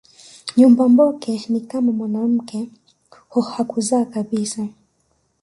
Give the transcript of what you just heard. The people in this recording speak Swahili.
Nyumba mboke ni kama mwanamke hakuzaa kabisa